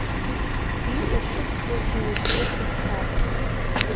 Сиҵашьыцуа, снаизхәыцит саб.